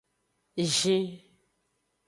Zin.